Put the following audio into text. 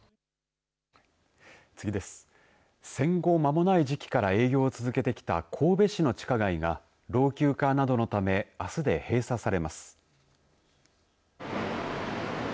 次です、戦後まもない時期から営業を続けてきた神戸市の地下街が老朽化などのためあすで閉鎖されます。